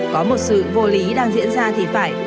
có một sự vô lý đang diễn ra thì phải